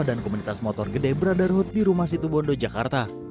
dan komunitas motor gede brotherhood di rumah situ bondo jakarta